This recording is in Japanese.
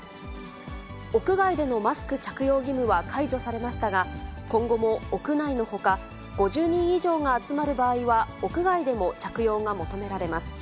屋外でのマスク着用義務は解除されましたが、今後も屋内のほか、５０人以上が集まる場合は、屋外でも着用が求められます。